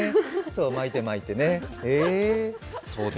そう、巻いて巻いてね、へえ。